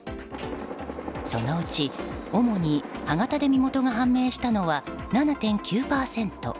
そのうち、主に歯型で身元が判明したのは７．９％。